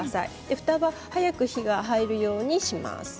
ふたは早く火が入るようにします。